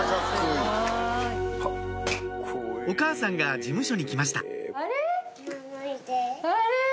お母さんが事務所に来ましたあれ？